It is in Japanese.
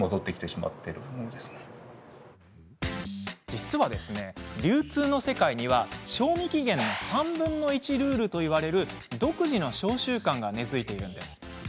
実は流通の世界には賞味期限の３分の１ルールといわれる独自の商習慣が根づいているんです。